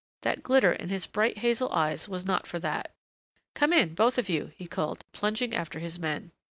That glitter in his bright hazel eyes was not for that. "Come in, both of you," he called, plunging after his men.